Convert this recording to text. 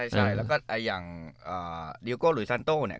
ใช่แล้วก็อย่างดีโก้หรือซันโต้เนี่ย